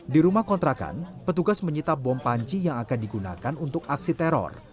di rumah kontrakan petugas menyita bom panci yang akan digunakan untuk aksi teror